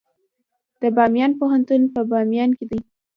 د بامیان پوهنتون په بامیان کې دی